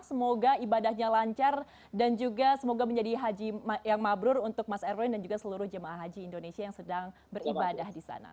semoga ibadahnya lancar dan juga semoga menjadi haji yang mabrur untuk mas erwin dan juga seluruh jemaah haji indonesia yang sedang beribadah di sana